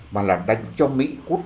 mà là đánh cho mỹ cút